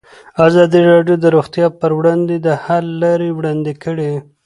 ازادي راډیو د روغتیا پر وړاندې د حل لارې وړاندې کړي.